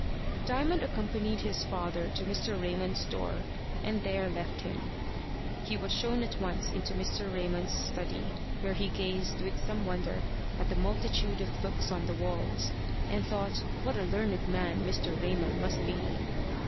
Diamond accompanied his father to Mr. Raymond's door, and there left him. He was shown at once into Mr. Raymond's study, where he gazed with some wonder at the multitude of books on the walls, and thought what a learned man Mr. Raymond must be.